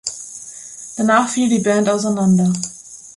Danach fiel die Band auseinander.